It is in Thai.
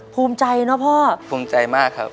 ภูมิใจเนอะพ่อภูมิใจมากครับ